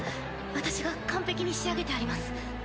私が完璧に仕上げてあります。